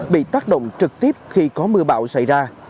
bị tác động trực tiếp khi có mưa bão xảy ra